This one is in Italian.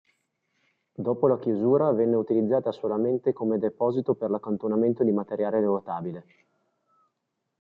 Dopo la chiusura venne utilizzata solamente come deposito per l'accantonamento di materiale rotabile.